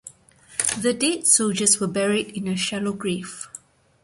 The dead soldiers were buried in a shallow grave.